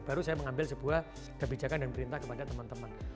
baru saya mengambil sebuah kebijakan dan perintah kepada teman teman